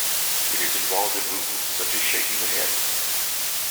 It is involved in movements such as shaking the head.